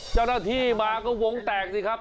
เจ้าหน้าที่มาก็วงแตกสิครับ